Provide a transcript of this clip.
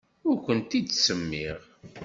Ur kent-id-ttsemmiɣ.